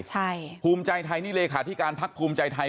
ใช่ภูมิใจไทยนี่เลขาธิการพักภูมิใจไทย